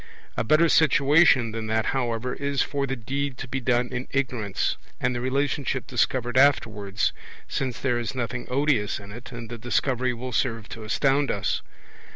A better situation than that, however, is for the deed to be done in ignorance, and the relationship discovered afterwards, since there is nothing odious in it, and the Discovery will serve to astound us.